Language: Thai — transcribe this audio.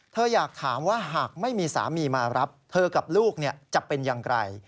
อยากถามว่าหากไม่มีสามีมารับเธอกับลูกจะเป็นอย่างไร